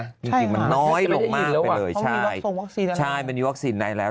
จริงมันน้อยลงมากไปเลยใช่มันมีวัคซีนได้แล้ว